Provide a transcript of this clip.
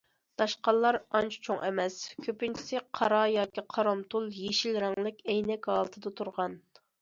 داشقاللار ئانچە چوڭ ئەمەس، كۆپىنچىسى قارا ياكى قارامتۇل يېشىل رەڭلىك ئەينەك ھالىتىدە تۇرغان.